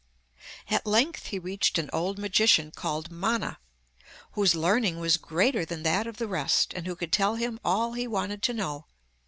At length he reached an old magician called Mana, whose learning was greater than that of the rest, and who could tell him all he wanted to know.